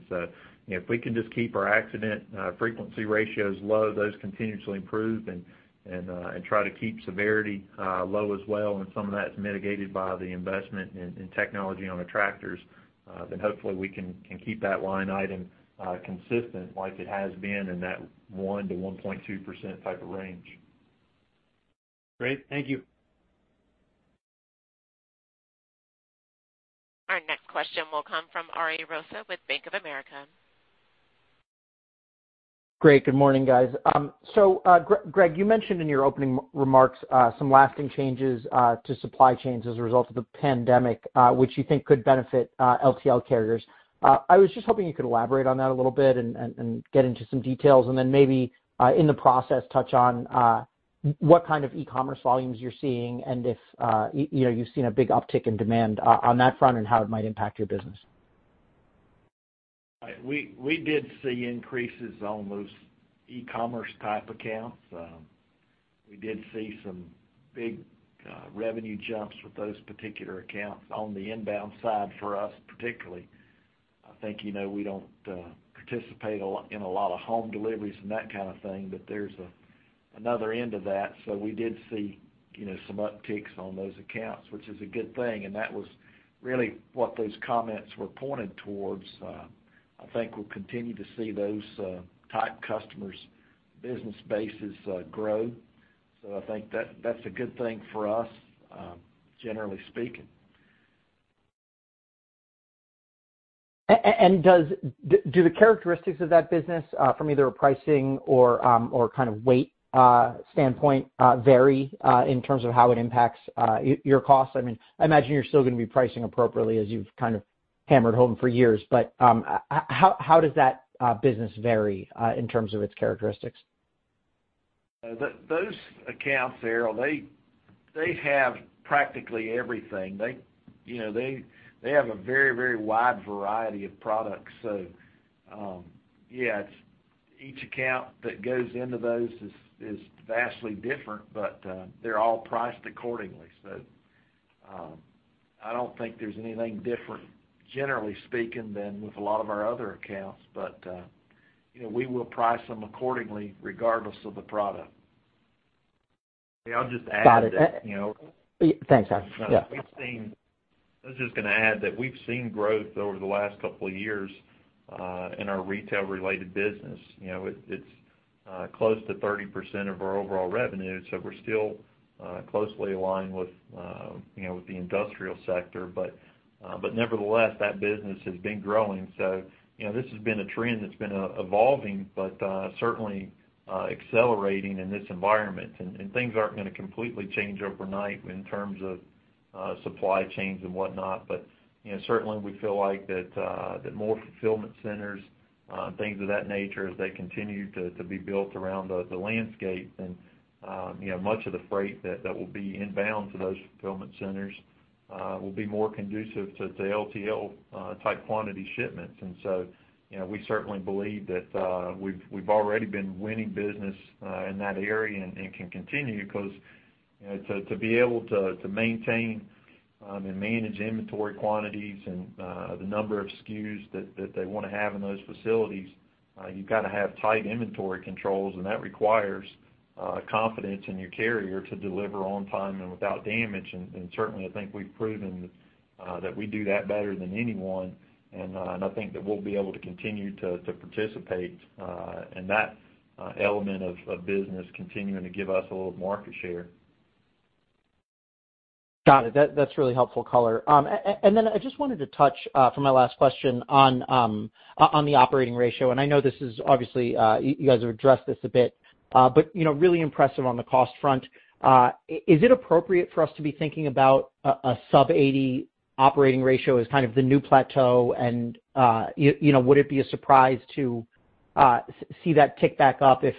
If we can just keep our accident frequency ratios low, those continuously improve, and try to keep severity low as well, and some of that's mitigated by the investment in technology on the tractors, then hopefully we can keep that line item consistent like it has been in that 1%-1.2% type of range. Great. Thank you. Our next question will come from Ari Rosa with Bank of America. Great. Good morning, guys. Greg, you mentioned in your opening remarks some lasting changes to supply chains as a result of the pandemic, which you think could benefit LTL carriers. I was just hoping you could elaborate on that a little bit and get into some details, and then maybe, in the process, touch on what kind of e-commerce volumes you're seeing, and if you've seen a big uptick in demand on that front and how it might impact your business. We did see increases on those e-commerce type accounts. We did see some big revenue jumps with those particular accounts on the inbound side for us particularly. I think we don't participate in a lot of home deliveries and that kind of thing, but there's another end to that. We did see some upticks on those accounts, which is a good thing, and that was really what those comments were pointed towards. I think we'll continue to see those type customers' business bases grow. I think that's a good thing for us, generally speaking. Do the characteristics of that business from either a pricing or kind of weight standpoint vary in terms of how it impacts your costs? I imagine you're still going to be pricing appropriately as you've kind of hammered home for years. How does that business vary in terms of its characteristics? Those accounts, they have practically everything. They have a very wide variety of products. Yeah, each account that goes into those is vastly different, but they're all priced accordingly. I don't think there's anything different, generally speaking, than with a lot of our other accounts. We will price them accordingly regardless of the product. Yeah, I'll just add that. Got it. Thanks, Adam. Yeah. I was just going to add that we've seen growth over the last couple of years in our retail-related business. It's close to 30% of our overall revenue, so we're still closely aligned with the industrial sector. Nevertheless, that business has been growing. This has been a trend that's been evolving, but certainly accelerating in this environment. Things aren't going to completely change overnight in terms of supply chains and whatnot. Certainly, we feel like that more fulfillment centers, things of that nature, as they continue to be built around the landscape, then much of the freight that will be inbound to those fulfillment centers will be more conducive to LTL type quantity shipments. We certainly believe that we've already been winning business in that area and can continue because to be able to maintain and manage inventory quantities and the number of SKUs that they want to have in those facilities, you've got to have tight inventory controls, and that requires confidence in your carrier to deliver on time and without damage. Certainly, I think we've proven that we do that better than anyone. I think that we'll be able to continue to participate in that element of business continuing to give us a little market share. Got it. That's really helpful color. I just wanted to touch, for my last question, on the operating ratio. I know this is obviously, you guys have addressed this a bit, but really impressive on the cost front. Is it appropriate for us to be thinking about a sub-80 operating ratio as kind of the new plateau? Would it be a surprise to see that tick back up if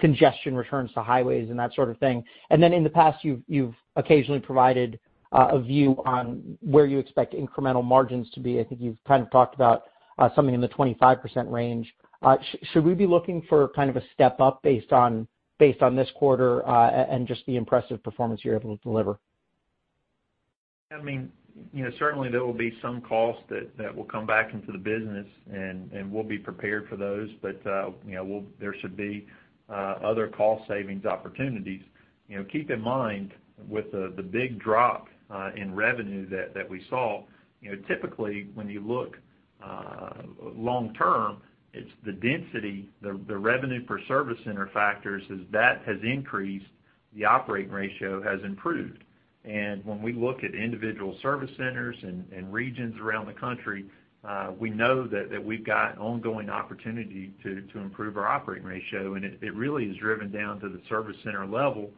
congestion returns to highways and that sort of thing? In the past, you've occasionally provided a view on where you expect incremental margins to be. I think you've kind of talked about something in the 25% range. Should we be looking for a step up based on this quarter and just the impressive performance you're able to deliver? I mean, certainly there will be some costs that will come back into the business, and we'll be prepared for those. There should be other cost savings opportunities. Keep in mind, with the big drop in revenue that we saw, typically when you look long term, it's the density, the revenue per service center factors, as that has increased, the operating ratio has improved. When we look at individual service centers and regions around the country, we know that we've got ongoing opportunity to improve our operating ratio. It really is driven down to the service center level.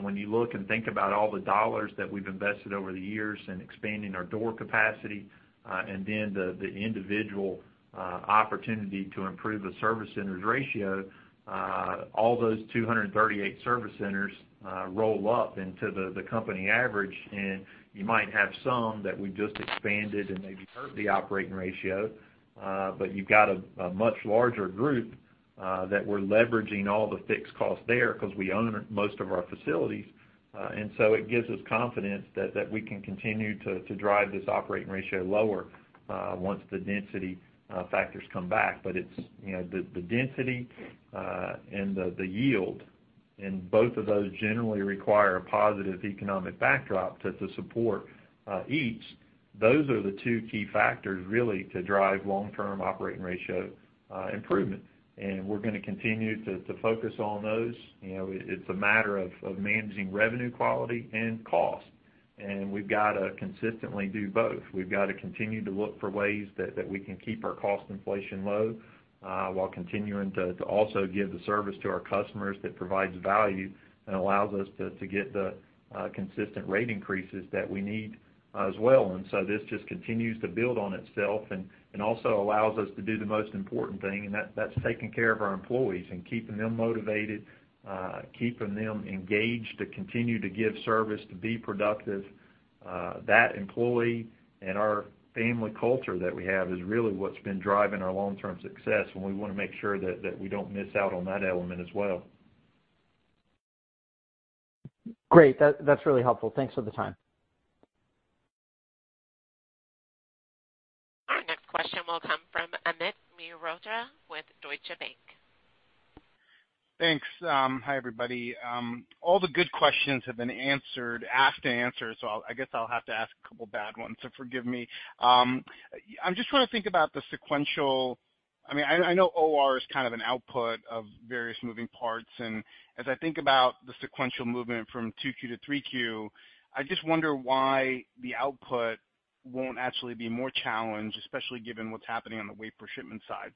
When you look and think about all the dollars that we've invested over the years in expanding our door capacity, and then the individual opportunity to improve the service centers ratio, all those 238 service centers roll up into the company average. You might have some that we've just expanded and maybe hurt the operating ratio. You've got a much larger group that we're leveraging all the fixed costs there because we own most of our facilities. It gives us confidence that we can continue to drive this operating ratio lower once the density factors come back. It's the density and the yield, and both of those generally require a positive economic backdrop to support each. Those are the two key factors, really, to drive long-term operating ratio improvement. We're going to continue to focus on those. It's a matter of managing revenue quality and cost. We've got to consistently do both. We've got to continue to look for ways that we can keep our cost inflation low, while continuing to also give the service to our customers that provides value and allows us to get the consistent rate increases that we need as well. This just continues to build on itself and also allows us to do the most important thing, and that's taking care of our employees and keeping them motivated, keeping them engaged to continue to give service, to be productive. That employee and our family culture that we have is really what's been driving our long-term success, and we want to make sure that we don't miss out on that element as well. Great. That's really helpful. Thanks for the time. Our next question will come from Amit Mehrotra with Deutsche Bank. Thanks. Hi, everybody. All the good questions have been asked and answered, so I guess I'll have to ask a couple of bad ones, so forgive me. I just want to think about the sequential. I know OR is an output of various moving parts, and as I think about the sequential movement from Q2 to Q3, I just wonder why the output won't actually be more challenged, especially given what's happening on the weight per shipment side.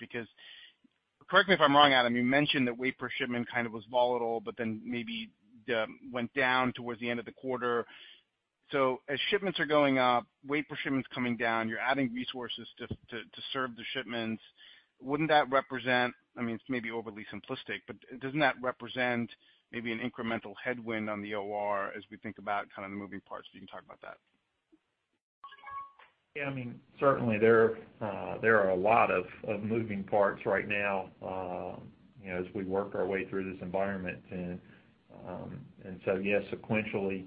Correct me if I'm wrong, Adam, you mentioned that weight per shipment was volatile, but then maybe went down towards the end of the quarter. As shipments are going up, weight per shipment's coming down, you're adding resources to serve the shipments. Wouldn't that represent, it's maybe overly simplistic, but doesn't that represent maybe an incremental headwind on the OR as we think about the moving parts? If you can talk about that. Yeah. Certainly there are a lot of moving parts right now as we work our way through this environment. Yes, sequentially,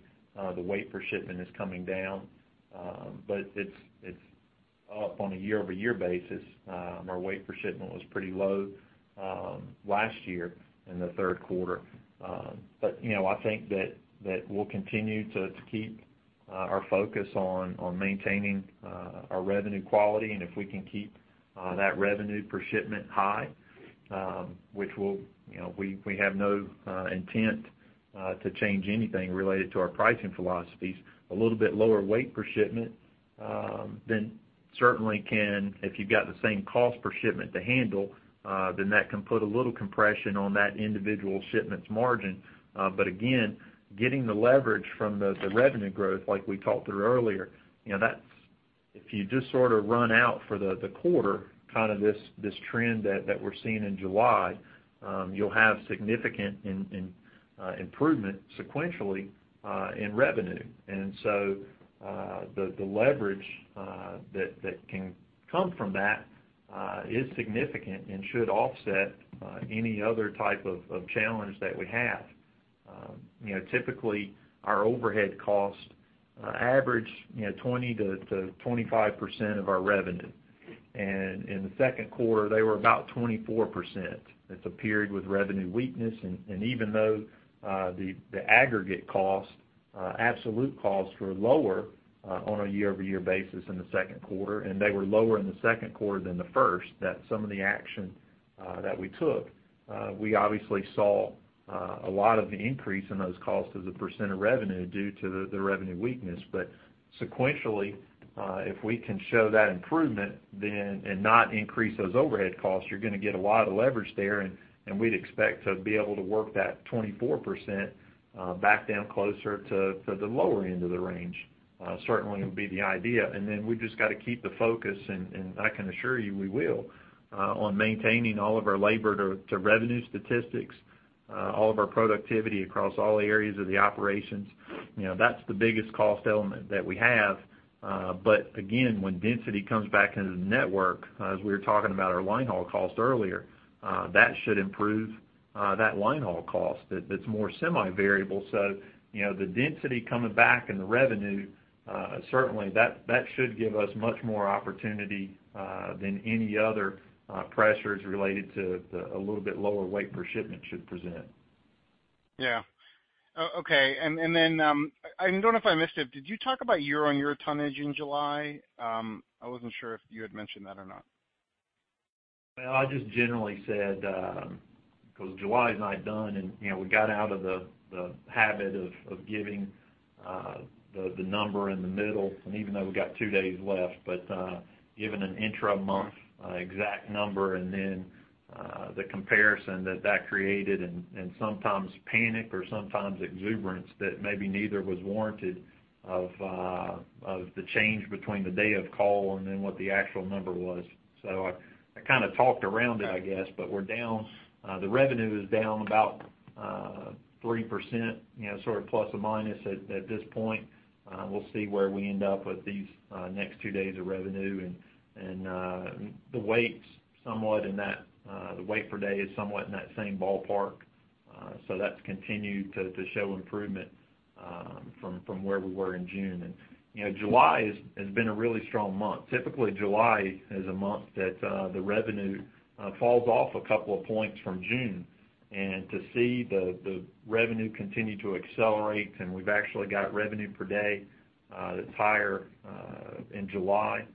the weight per shipment is coming down. It's up on a year-over-year basis. Our weight per shipment was pretty low last year in the third quarter. I think that we'll continue to keep our focus on maintaining our revenue quality, and if we can keep that revenue per shipment high, which we have no intent to change anything related to our pricing philosophies. A little bit lower weight per shipment, if you've got the same cost per shipment to handle, then that can put a little compression on that individual shipment's margin. Again, getting the leverage from the revenue growth, like we talked through earlier, if you just sort of run out for the quarter, kind of this trend that we're seeing in July, you'll have significant improvement sequentially in revenue. The leverage that can come from that is significant and should offset any other type of challenge that we have. Typically, our overhead costs average 20% to 25% of our revenue. In the second quarter, they were about 24%. That's a period with revenue weakness, and even though the aggregate costs, absolute costs, were lower on a year-over-year basis in the second quarter, and they were lower in the second quarter than the first, that's some of the action that we took. We obviously saw a lot of the increase in those costs as a percentage of revenue due to the revenue weakness. Sequentially, if we can show that improvement and not increase those overhead costs, you're going to get a lot of leverage there, and we'd expect to be able to work that 24% back down closer to the lower end of the range. Certainly would be the idea. We've just got to keep the focus, and I can assure you we will, on maintaining all of our labor to revenue statistics, all of our productivity across all areas of the operations. That's the biggest cost element that we have. Again, when density comes back into the network, as we were talking about our line haul cost earlier, that should improve that line haul cost that's more semi-variable. The density coming back in the revenue, certainly that should give us much more opportunity than any other pressures related to a little bit lower weight per shipment should present. Yeah. Okay. I don't know if I missed it, did you talk about year-on-year tonnage in July? I wasn't sure if you had mentioned that or not. Well, I just generally said, because July is not done, and we got out of the habit of giving the number in the middle, and even though we got two days left. Given an intra-month exact number and then the comparison that that created and sometimes panic or sometimes exuberance that maybe neither was warranted of the change between the day of call and then what the actual number was. I kind of talked around it, I guess. The revenue is down about 3%, sort of plus or minus at this point. We'll see where we end up with these next two days of revenue. The weights somewhat in that, the weight per day is somewhat in that same ballpark. That's continued to show improvement from where we were in June. July has been a really strong month. Typically, July is a month that the revenue falls off a couple of points from June. To see the revenue continue to accelerate, and we've actually got revenue per day that's higher in July,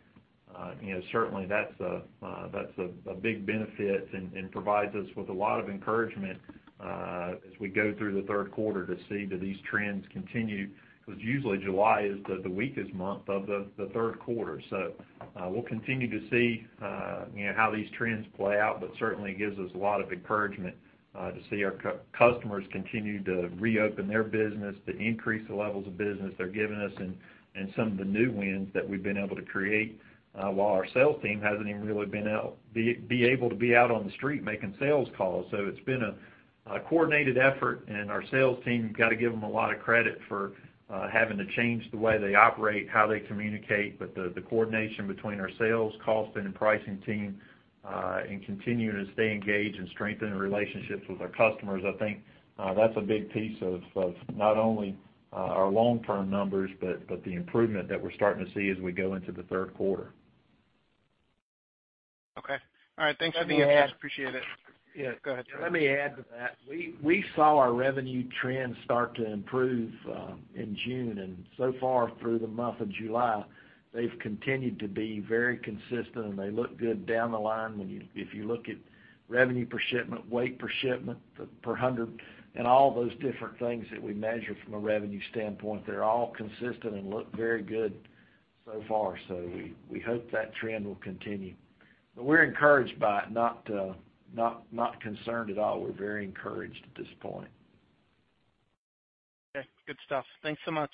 certainly that's a big benefit and provides us with a lot of encouragement as we go through the third quarter to see that these trends continue. Usually July is the weakest month of the third quarter. We'll continue to see how these trends play out, but certainly gives us a lot of encouragement to see our customers continue to reopen their business, to increase the levels of business they're giving us, and some of the new wins that we've been able to create while our sales team hasn't even really been able to be out on the street making sales calls. It's been a coordinated effort, and our sales team, got to give them a lot of credit for having to change the way they operate, how they communicate, but the coordination between our sales, cost, and pricing team, and continuing to stay engaged and strengthen the relationships with our customers. I think that's a big piece of not only our long-term numbers, but the improvement that we're starting to see as we go into the third quarter. Okay. All right. Thanks for the update. Appreciate it. Yeah. Go ahead. Let me add to that. We saw our revenue trends start to improve in June, and so far through the month of July, they've continued to be very consistent, and they look good down the line. If you look at revenue per shipment, weight per shipment, per hundred, and all those different things that we measure from a revenue standpoint, they're all consistent and look very good so far. We hope that trend will continue. We're encouraged by it, not concerned at all. We're very encouraged at this point. Okay. Good stuff. Thanks so much.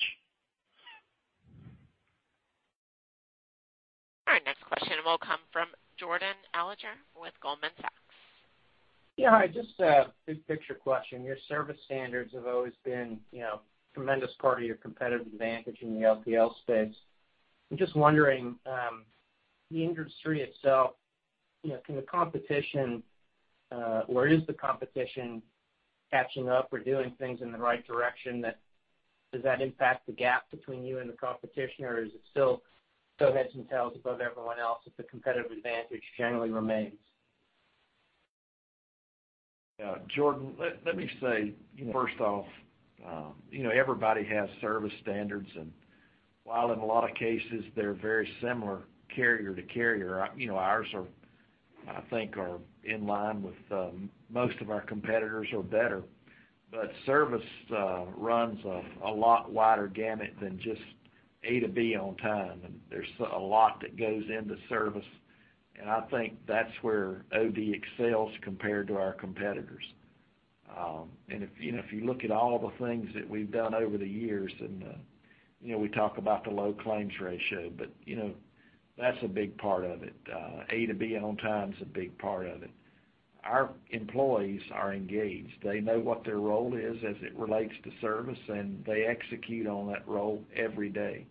All right. Next question will come from Jordan Alliger with Goldman Sachs. Yeah. Hi, just a big picture question. Your service standards have always been a tremendous part of your competitive advantage in the LTL space. I'm just wondering, the industry itself, or is the competition catching up or doing things in the right direction that does that impact the gap between you and the competition, or is it still heads and tails above everyone else if the competitive advantage generally remains? Yeah. Jordan, let me say, first off, everybody has service standards. While in a lot of cases, they're very similar carrier to carrier, ours, I think are in line with most of our competitors or better. Service runs a lot wider gamut than just A to B on time, and there's a lot that goes into service. I think that's where OD excels compared to our competitors. If you look at all the things that we've done over the years, and we talk about the low claims ratio, but that's a big part of it. A to B on time is a big part of it. Our employees are engaged. They know what their role is as it relates to service, and they execute on that role every day.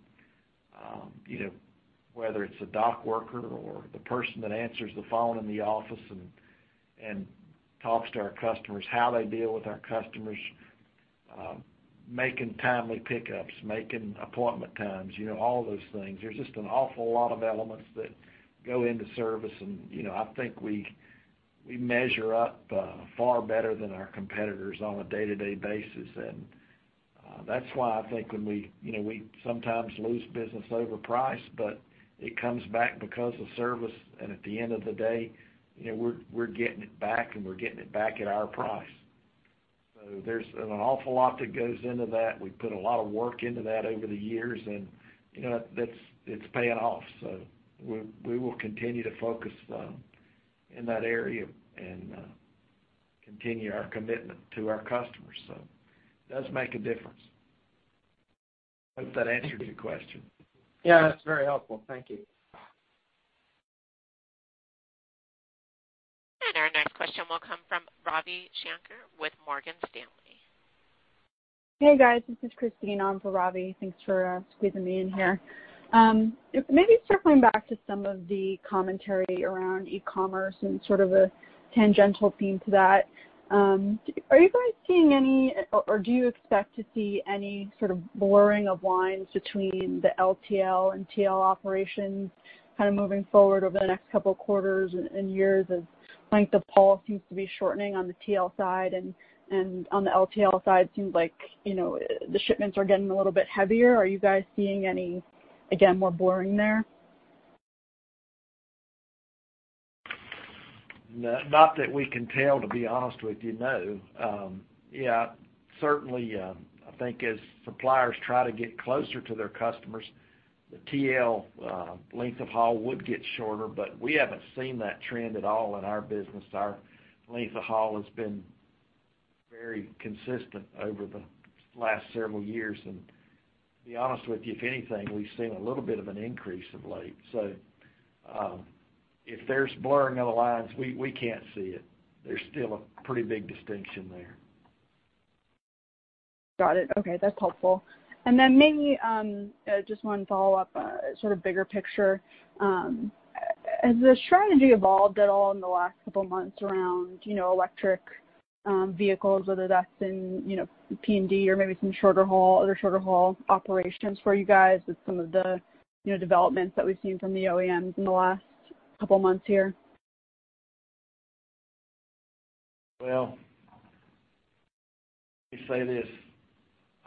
Whether it's a dock worker or the person that answers the phone in the office and talks to our customers, how they deal with our customers, making timely pickups, making appointment times, all of those things. There's just an awful lot of elements that go into service, and I think we measure up far better than our competitors on a day-to-day basis. That's why I think when we sometimes lose business over price, but it comes back because of service and at the end of the day, we're getting it back and we're getting it back at our price. There's an awful lot that goes into that. We put a lot of work into that over the years, and it's paying off. We will continue to focus in that area and continue our commitment to our customers. It does make a difference. I hope that answered your question. Yeah, that's very helpful. Thank you. Our next question will come from Ravi Shanker with Morgan Stanley. Hey, guys, this is Christyne on for Ravi. Thanks for squeezing me in here. Maybe circling back to some of the commentary around e-commerce and sort of a tangential theme to that. Are you guys seeing any or do you expect to see any sort of blurring of lines between the LTL and TL operations kind of moving forward over the next couple of quarters and years as length of haul seems to be shortening on the TL side and on the LTL side seems like the shipments are getting a little bit heavier? Are you guys seeing any, again, more blurring there? No, not that we can tell, to be honest with you, no. Yeah, certainly, I think as suppliers try to get closer to their customers, the TL length of haul would get shorter, but we haven't seen that trend at all in our business. Our length of haul has been very consistent over the last several years, and to be honest with you, if anything, we've seen a little bit of an increase of late. If there's blurring of the lines, we can't see it. There's still a pretty big distinction there. Got it. Okay, that's helpful. Then maybe, just one follow-up, sort of bigger picture. Has the strategy evolved at all in the last couple of months around electric vehicles, whether that's in P&D or maybe some shorter haul, other shorter haul operations for you guys with some of the developments that we've seen from the OEMs in the last couple of months here? Well, let me say this,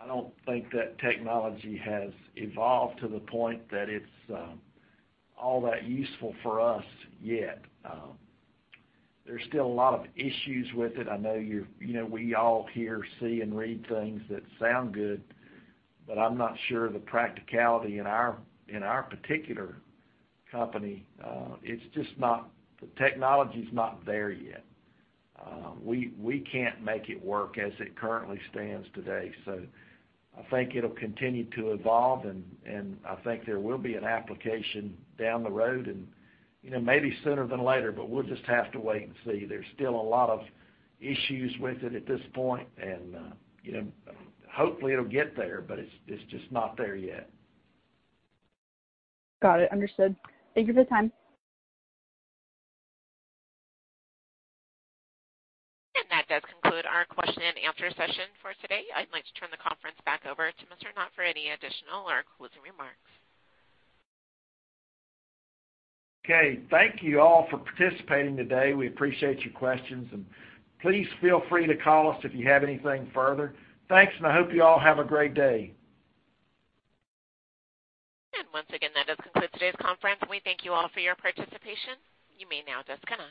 I don't think that technology has evolved to the point that it's all that useful for us yet. There's still a lot of issues with it. I know we all hear, see, and read things that sound good, but I'm not sure the practicality in our particular company. The technology's not there yet. We can't make it work as it currently stands today. I think it'll continue to evolve, and I think there will be an application down the road and maybe sooner than later, but we'll just have to wait and see. There's still a lot of issues with it at this point, and hopefully, it'll get there, but it's just not there yet. Got it. Understood. Thank you for the time. That does conclude our question and answer session for today. I'd like to turn the conference back over to Mr. Gantt for any additional or closing remarks. Okay. Thank you all for participating today. We appreciate your questions, and please feel free to call us if you have anything further. Thanks, and I hope you all have a great day. Once again, that does conclude today's conference. We thank you all for your participation. You may now disconnect.